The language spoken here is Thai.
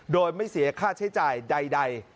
โดยไม่เสียค่าใช้จ่ายใด